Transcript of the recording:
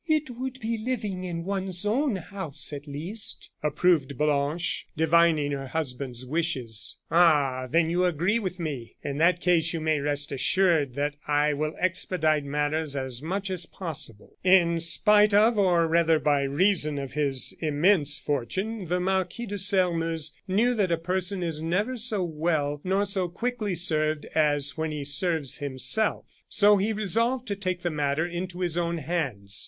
"It would be living in one's own house, at least," approved Blanche, divining her husband's wishes. "Ah! then you agree with me! In that case, you may rest assured that I will expedite matters as much as possible." In spite, or rather by reason of his immense fortune, the Marquis de Sairmeuse knew that a person is never so well, nor so quickly served, as when he serves himself, so he resolved to take the matter into his own hands.